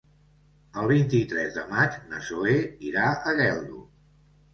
El vint-i-tres de maig na Zoè irà a Geldo.